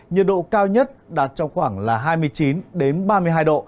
nhiệt độ cao nhất đạt trong khoảng là hai mươi chín ba mươi hai độ